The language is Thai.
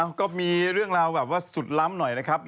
ก็มีเรื่องราวแบบว่าสุดล้ำหน่อยนะครับ